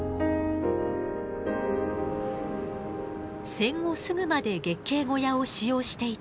戦後すぐまで月経小屋を使用していた工藤照子さん